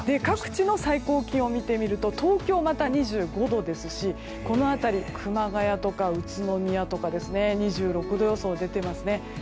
各地の最高気温を見てみると東京はまた２５度ですし熊谷とか宇都宮は２６度予想が出ていますね。